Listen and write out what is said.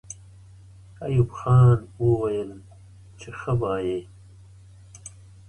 ایوب خان وویل چې ښه وایئ.